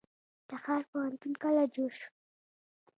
تخار پوهنتون کله جوړ شو؟